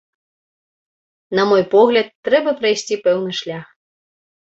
На мой погляд, трэба прайсці пэўны шлях.